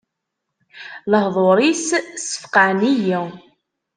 Lehduṛ-is ssfeqɛen-iyi.